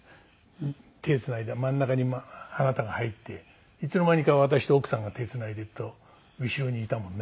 手つないだ真ん中にあなたが入っていつの間にか私と奥さんが手つないでいると後ろにいたもんね。